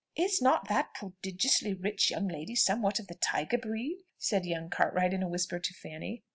"Is not that prodigiously rich young lady somewhat of the tiger breed?" said young Cartwright in a whisper to Fanny.